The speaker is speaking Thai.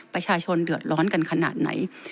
ประชาชนเดือดร้อนกันขนาดไหน